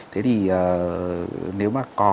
thế thì nếu mà có